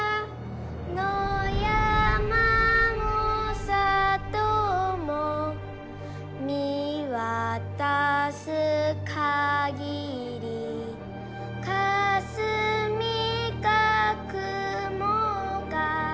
「のやまもさとも」「みわたすかぎり」「かすみかくもか」